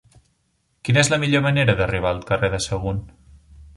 Quina és la millor manera d'arribar al carrer de Sagunt?